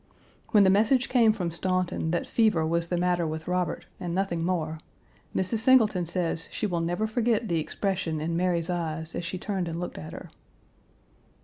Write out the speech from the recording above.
When the message came from Staunton that fever was the matter with Robert and nothing more, Mrs. Singleton says she will never forget the expression in Mary's eyes as she turned and looked at her.